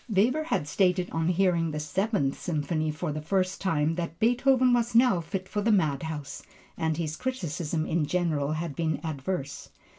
Weber had stated on hearing the Seventh Symphony for the first time that Beethoven was now fit for the madhouse, and his criticisms in general had been adverse.